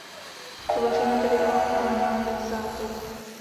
Hovoříme tedy o analyzátoru.